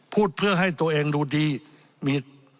พูดเพื่อให้ตัวเองดูดีมี